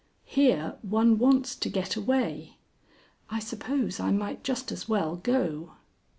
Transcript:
Here one wants to get away. I suppose I might just as well go."